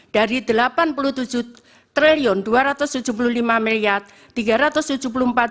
dari rp delapan puluh tujuh dua ratus tujuh puluh lima tiga ratus tujuh puluh empat satu ratus empat puluh